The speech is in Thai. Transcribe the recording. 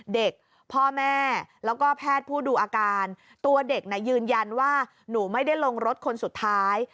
เด็กพ่อแม่แล้วก็แพทย์ผู้ดูอาการตัวเด็กน่ะยืนยันว่าหนูไม่ได้ลงรถคนสุดท้าย